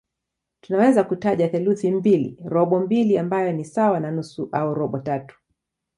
Tunaweza kutaja theluthi mbili, robo mbili ambayo ni sawa na nusu au robo tatu.